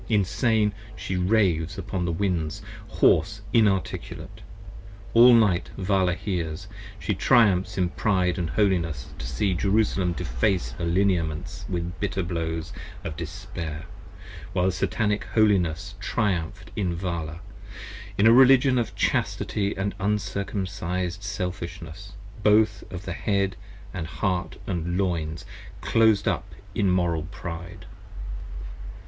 Insane she raves upon the winds, hoarse, inarticulate: 45 All night Vala hears, she triumphs in pride of holiness To see Jerusalem deface her lineaments with bitter blows Of despair, while the Satanic Holiness triumph'd in Vala, In a Religion of Chastity & Uncircumcised Selfishness Both of the Head & Heart & Loins, clos'd up in Moral Pride.